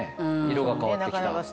色が変わってきた。